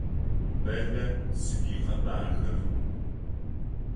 Бэллэ сыд икъэбархэр?